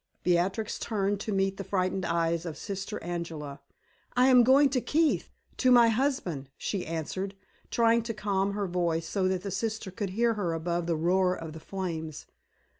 Beatrix turned to meet the frightened eyes of Sister Angela. "I am going to Keith to my husband," she answered, trying to calm her voice so that the sister could hear her above the roar of the flames.